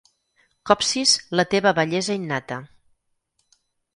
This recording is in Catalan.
Copsis la teva bellesa innata.